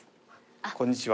こんにちは。